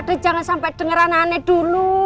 dan jangan sampai denger anak anak dulu